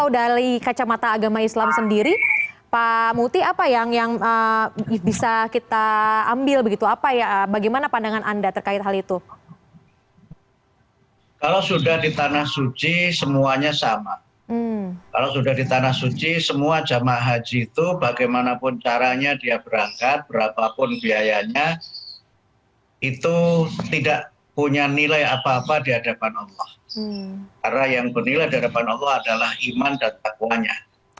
dibanding dengan tahun tahun sebelumnya